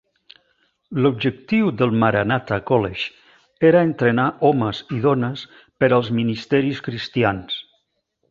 L'objectiu del Maranatha College era entrenar homes i dones per als ministeris cristians.